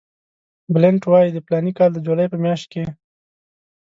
بلنټ وایي د فلاني کال د جولای په میاشت کې.